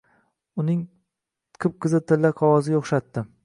Uning qip-qizil tilla qog‘oziga o‘xshatdi.